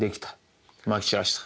まき散らした。